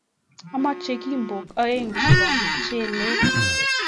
Amoche kombok aeng' chepo mchelek.